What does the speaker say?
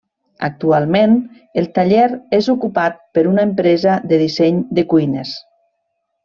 Actualment, el taller és ocupat per una empresa de disseny de cuines.